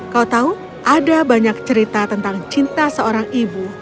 kau tahu ada banyak cerita tentang cinta seorang ibu